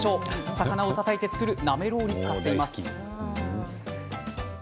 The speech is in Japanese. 魚をたたいて作るなめろうに使っています。